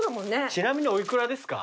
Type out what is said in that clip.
ちなみにお幾らですか？